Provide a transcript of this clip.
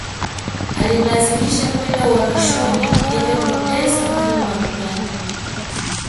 Alimlazimisha kwenda uhamishoni Edward Mutesa Mfalme wa Buganda